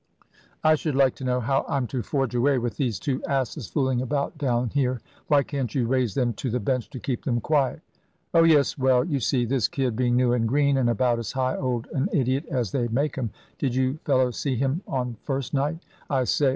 "I should like to know how I'm to forge away, with these two asses fooling about down here? Why can't you raise them to the bench to keep them quiet? Oh yes well, you see, this kid, being new, and green, and about as high old an idiot as they make them did you fellows see him on first night? I say!